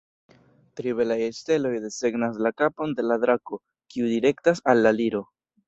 Tri belaj steloj desegnas la kapon de la drako, kiu direktas al la Liro.